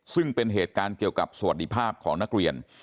ซึ่งเป็นเหตุการณ์เกี่ยวกับสวัสดิภาพของนักเรียน